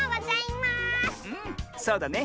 そうだね。